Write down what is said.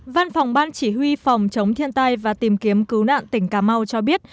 văn phòng ban chỉ huy phòng chống thiên tai và tìm kiếm cứu nạn tỉnh cà mau cho biết